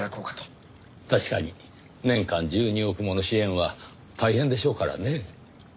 確かに年間１２億もの支援は大変でしょうからねぇ。